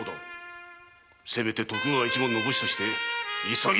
せめて徳川一門の武士として潔く致せ！